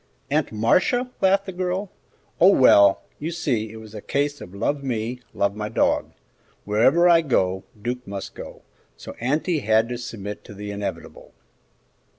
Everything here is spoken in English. "Aunt Marcia?" laughed the girl; "oh, well, you see it was a case of 'love me, love my dog.' Wherever I go, Duke must go, so auntie had to submit to the inevitable."